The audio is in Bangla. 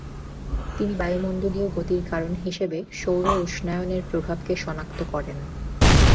তিনি বায়ুমণ্ডলীয় গতির কারণ হিসেবে সৌর উষ্ণায়নের প্রভাবকে শনাক্ত করেন।